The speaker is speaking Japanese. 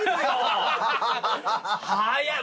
早い。